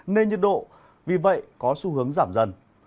nên nhiệt độ vì vậy có xu hướng giảm dần